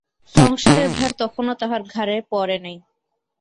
সংসারের ভার তখনও তাহার ঘারে পড়ে নাই।